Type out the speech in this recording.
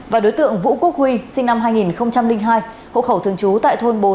và đối tượng vũ quốc huy sinh năm hai nghìn hai hộ khẩu thường trú tại thôn bốn